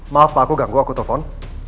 maaf pak aku ganggu aku telpon